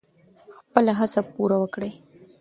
خپله هڅه پوره وکړئ.